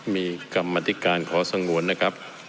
มีกรรมธิการขอสงวนนะครับ